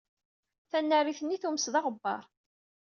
Tanarit-nni tumes d aɣebbar.